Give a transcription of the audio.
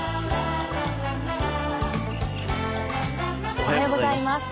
おはようございます。